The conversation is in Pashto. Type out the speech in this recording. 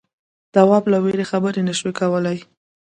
تواب له وېرې خبرې نه شوې کولای.